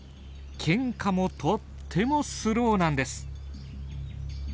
ケンカもとってもスローなんです。